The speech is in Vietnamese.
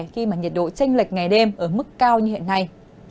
khi mà nhiệt độ tranh lệch ngày đêm ở mức cao như hiện nay